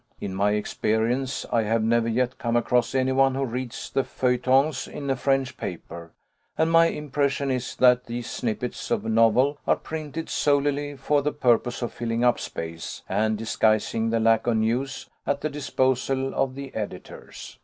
In my experience I have never yet come across anyone who reads the feuilletons in a French paper; and my impression is that these snippets of novel are printed solely for the purpose of filling up space and disguising the lack of news at the disposal of the editors.